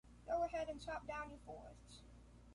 Go ahead and chop down your forests.